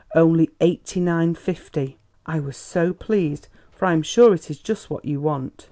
only eighty nine, fifty! I was so pleased; for I am sure it is just what you want.